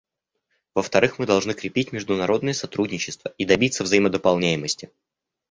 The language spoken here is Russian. Во-вторых, мы должны крепить международное сотрудничество и добиться взаимодополняемости.